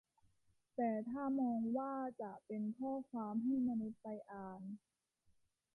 แต่ถ้ามองว่าจะเป็นข้อความให้มนุษย์ไปอ่าน